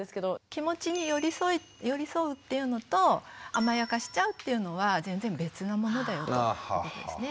気持ちに寄り添うっていうのと甘やかしちゃうっていうのは全然別のものだよということですよね。